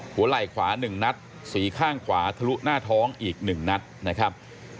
หัวไหล่ขวา๑นัดสีข้างขวาทะลุหน้าท้องอีก๑นัดนะครับ